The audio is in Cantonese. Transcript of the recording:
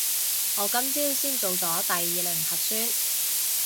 我今朝先做咗第二輪核酸